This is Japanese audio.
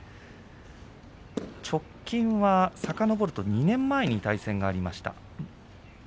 直近は、さかのぼると２年前に対戦がありました。